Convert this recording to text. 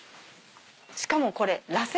しかもこれ。